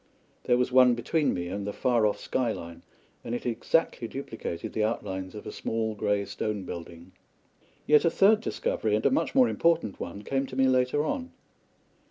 There was one between me and the far off sky line, and it exactly duplicated the outlines of a small grey stone building. Yet a third discovery, and a much more important one, came to me later on.